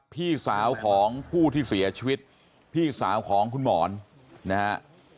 พี่สาวของผู้ที่เสียชีวิตพี่สาวของคุณหมอนนะฮะ